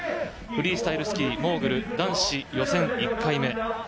フリースタイルスキー・モーグル男子予選１回目。